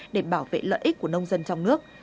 để bảo vệ lợi ích của nông dân trong nước